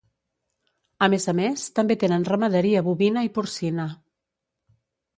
A més a més també tenen ramaderia bovina i porcina.